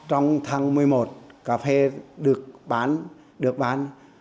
trong tháng một mươi một cà phê được bán được bán